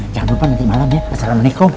jangan lupa nanti malam ya assalamualaikum